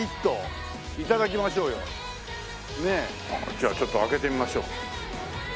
じゃあちょっと開けてみましょう。